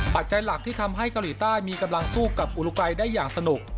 ปัจจัยหลักที่ทำให้เกาหลีใต้มีกำลังสู้กับอุลุกัยได้อย่างสนุก